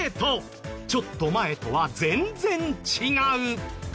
ちょっと前とは全然違う。